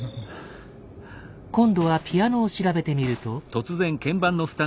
今度はピアノを調べてみると。